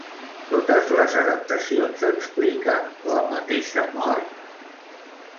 Totes les adaptacions expliquen la mateixa mort?